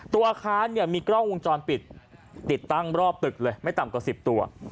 อาคารเนี่ยมีกล้องวงจรปิดติดตั้งรอบตึกเลยไม่ต่ำกว่า๑๐ตัว